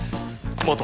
また。